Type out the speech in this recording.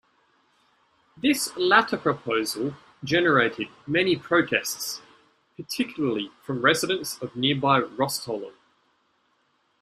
This latter proposal generated many protests, particularly from residents of nearby Rhostyllen.